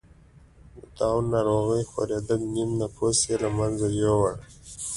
د طاعون ناروغۍ خپرېدل نییم نفوس یې له منځه یووړ.